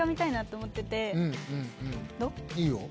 いいよ。